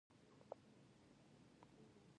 حق زموږ په خوله کې ارزښت نه لري.